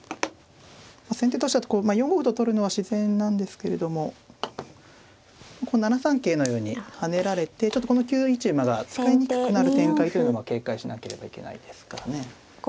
まあ先手としてはこう４五歩と取るのは自然なんですけれどもこう７三桂のように跳ねられてちょっとこの９一馬が使いにくくなる展開というのも警戒しなければいけないですからね。